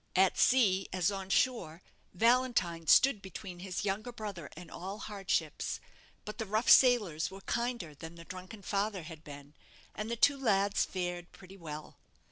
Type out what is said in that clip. At sea, as on shore, Valentine stood between his younger brother and all hardships. But the rough sailors were kinder than the drunken father had been, and the two lads fared pretty well.